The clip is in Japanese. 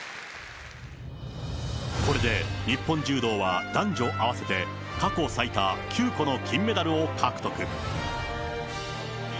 これで、日本柔道は男女合わせて過去最多９個の金メダルを獲得。